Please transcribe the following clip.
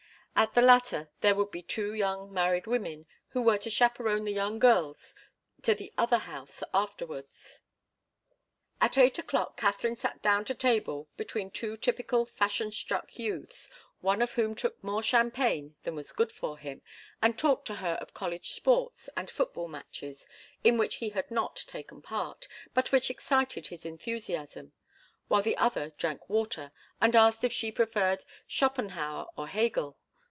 At the latter there were to be two young married women who were to chaperon the young girls to the other house afterwards. At eight o'clock Katharine sat down to table between two typical, fashion struck youths, one of whom took more champagne than was good for him, and talked to her of college sports and football matches in which he had not taken part, but which excited his enthusiasm, while the other drank water, and asked if she preferred Schopenhauer or Hegel.